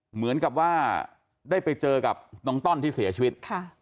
เหมือนกับว่าได้ไปเจอกับน้องต้อนที่เสียชีวิต